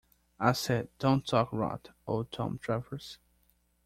I said, 'Don't talk rot, old Tom Travers.'